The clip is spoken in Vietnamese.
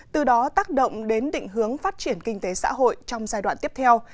từ đó tác động đến định hướng phát triển kinh tế xã hội trong giai đoạn tiếp theo